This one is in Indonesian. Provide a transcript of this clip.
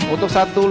untuk saat pembakaran